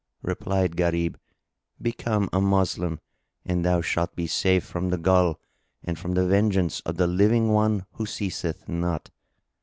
Replied Gharib, "Become a Moslem, and thou shalt be safe from the Ghul and from the vengeance of the Living One who ceaseth not."